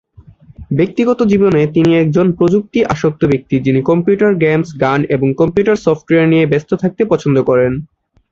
ব্যক্তিগত জীবনে তিনি একজন প্রযুক্তি আসক্ত ব্যক্তি যিনি কম্পিউটার গেমস, গান এবং কম্পিউটার সফটওয়্যার নিয়ে ব্যস্ত থাকতে পছন্দ করেন।